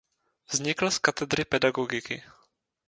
Vznikl z katedry pedagogiky.